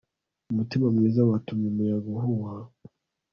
Umutima mwiza watumye umuyaga uhuha